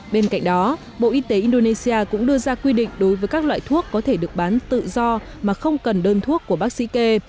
bên cạnh đó bộ y tế indonesia cũng đưa ra quy định đối với các loại thuốc có thể được bán tự do mà không cần đơn thuốc của bác sĩ kê